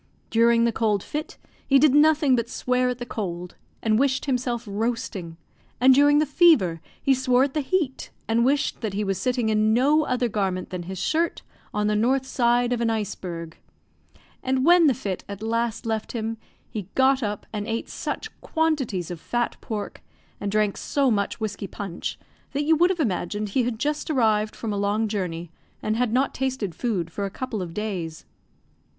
During the cold fit, he did nothing but swear at the cold, and wished himself roasting; and during the fever, he swore at the heat, and wished that he was sitting, in no other garment than his shirt, on the north side of an iceberg. And when the fit at last left him, he got up, and ate such quantities of fat pork, and drank so much whiskey punch, that you would have imagined he had just arrived from a long journey, and had not tasted food for a couple of days.